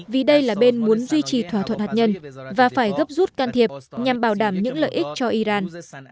vì đây là bên muốn duy trì thỏa thuận hạt nhân và phải gấp rút can thiệp nhằm bảo đảm những lợi ích cho iran